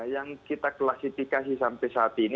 yang kita klasifikasi sampai saat ini